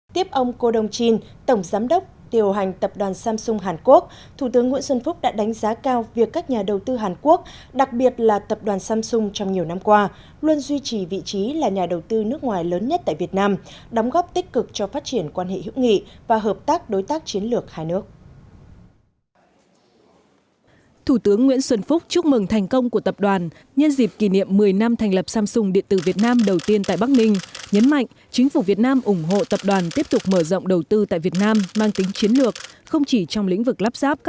tiếp ông cô đông chin tổng giám đốc tiểu hành tập đoàn samsung hàn quốc thủ tướng nguyễn xuân phúc đã đánh giá cao việc các nhà đầu tư hàn quốc đặc biệt là tập đoàn samsung trong nhiều năm qua luôn duy trì vị trí là nhà đầu tư nước ngoài lớn nhất tại việt nam đóng góp tích cực cho phát triển quan hệ hữu nghị và hợp tác đối tác chiến lược hai nước